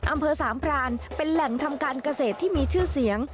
อำเภอสามพรานเป็นแหล่งทำการเกษตรที่มีชื่อเสียง